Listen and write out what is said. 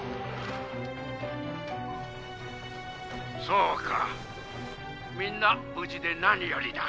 「そうかみんな無事で何よりだ」。